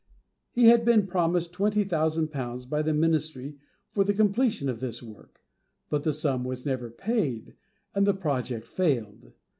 He had been promised twenty thousand pounds by the ministry for the completion of this work, but the sum was never paid, and the project failed.